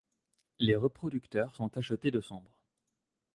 Les reproducteurs sont tachetés de sombre.